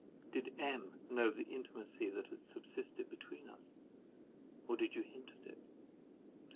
Did M—— know of the intimacy that had subsisted between us? Or did you hint at it?